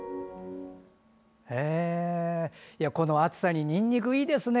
この暑さににんにく、いいですね。